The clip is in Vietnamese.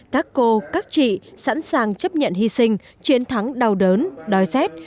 các cô các chị sẵn sàng chấp nhận hy sinh chiến thắng đau đớn đói rét